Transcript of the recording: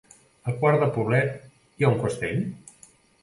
A Quart de Poblet hi ha un castell?